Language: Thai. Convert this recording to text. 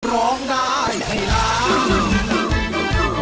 ร้องได้ให้ล้าน